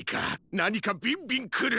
なにかビンビンくる！